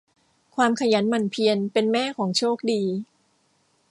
ความขยันหมั่นเพียรเป็นแม่ของโชคดี